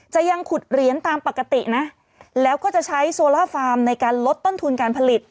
ยังขุดเหรียญตามปกตินะแล้วก็จะใช้โซล่าฟาร์มในการลดต้นทุนการผลิต